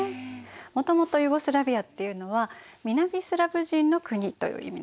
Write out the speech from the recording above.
もともとユーゴスラヴィアっていうのは南スラヴ人の国という意味なのね。